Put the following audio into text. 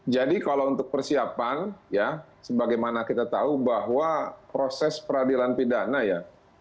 jadi kalau untuk persiapan ya sebagaimana kita tahu bahwa proses peradilan pidana ya